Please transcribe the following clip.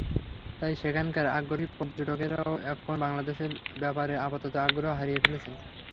তাই সেখানকার আগ্রহী পর্যটকেরাও এখন বাংলাদেশের ব্যাপারে আপাতত আগ্রহ হারিয়ে ফেলেছেন।